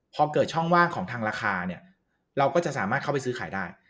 พอเกิดช่องว่างของทางราคาเนี่ยเราก็จะสามารถเข้าไปซื้อขายได้